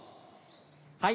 はい。